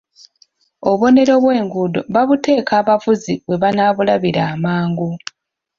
Obubonero bw'enguudo babuteeka abavuzi we banaabulabira amangu.